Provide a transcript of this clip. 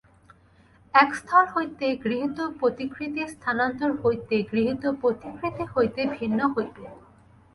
এক স্থল হইতে গৃহীত প্রতিকৃতি স্থানান্তর হইতে গৃহীত প্রতিকৃতি হইতে ভিন্ন হইবে।